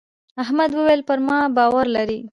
احمد وويل: پر ما باور لرې.